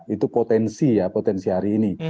itu potensi ya potensi hari ini